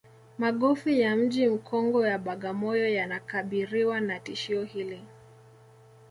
magofu ya mji mkongwe wa bagamoyo yanakabiriwa na tishio hili